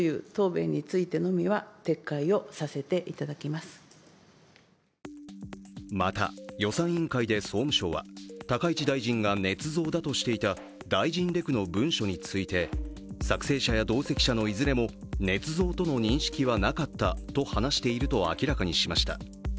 そしてまた、予算委員会で総務省は高市大臣がねつ造だとしていた大臣レクの文書について作成者や同席者のいずれもねつ造との認識はなかったと話していると明らかにしました。